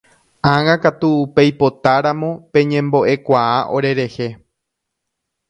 Ág̃akatu peipotáramo peñembo'ekuaa orerehe.